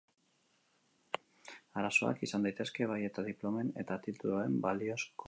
Arazoak izan daitezke bai eta diplomen eta tituluen baliozkotzerakoan.